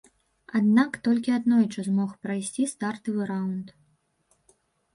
Аднак толькі аднойчы змог прайсці стартавы раўнд.